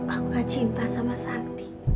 aku gak cinta sama sakti